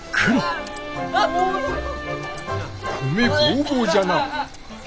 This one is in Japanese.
米ボウボウじゃな。